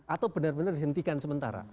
atau benar benar dihentikan sementara